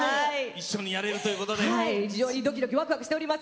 非常にドキドキワクワクしております。